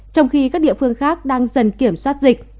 trong khi các địa phương khác đang dần kiểm soát dịch